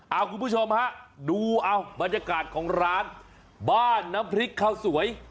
เอาคุณผู้ชมฮะดูเอาบรรยากาศของร้านบ้านน้ำพริกข้าวสวย